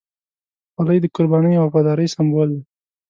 خولۍ د قربانۍ او وفادارۍ سمبول ده.